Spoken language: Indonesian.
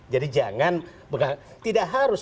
jadi tidak harus